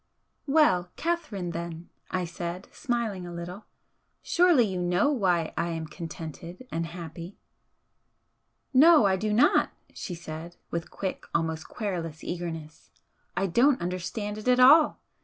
"Well, Catherine, then," I said, smiling a little "Surely you know why I am contented and happy?" "No, I do not," she said, with quick, almost querulous? eagerness "I don't understand it at all.